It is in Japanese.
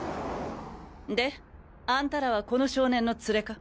で？あんたらはこの少年の連れか？